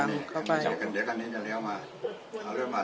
ผมก็บอกไม่ใช่พี่มัยหยิบมาจากม้าหิน